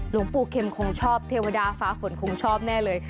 หลวงปู่เข็มคงชอบเทวดาฟ้าฝนคงชอบแน่เลย